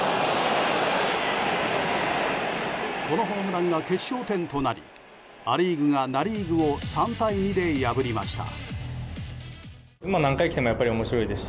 このホームランが決勝点となりア・リーグがナ・リーグを３対２で破りました。